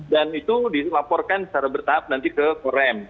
dan itu dilaporkan secara bertahap nanti ke korem